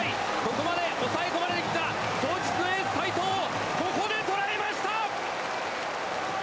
ここまで押さえ込まれてきた早実のエース斎藤をここで捉えました！